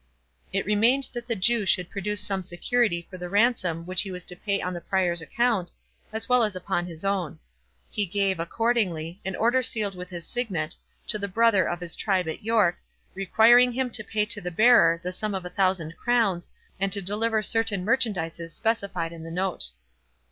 It remained that the Jew should produce some security for the ransom which he was to pay on the Prior's account, as well as upon his own. He gave, accordingly, an order sealed with his signet, to a brother of his tribe at York, requiring him to pay to the bearer the sum of a thousand crowns, and to deliver certain merchandises specified in the note.